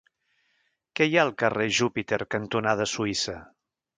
Què hi ha al carrer Júpiter cantonada Suïssa?